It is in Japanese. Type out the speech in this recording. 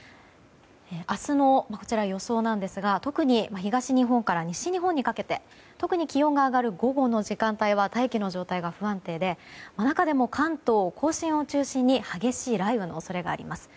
明日の予想なんですが東日本から西日本にかけて特に気温が上がる午後の時間帯は大気の状態が不安定で中でも関東・甲信を中心に激しい雷雨の恐れがあります。